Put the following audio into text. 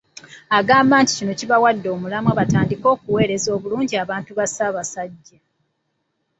Agamba nti kino kibawadde omulamwa batandike okuweereza obulungi abantu ba Ssaabasajja.